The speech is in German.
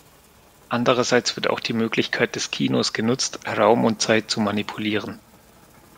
Andererseits wird auch die Möglichkeit des Kinos genutzt, Raum und Zeit zu manipulieren.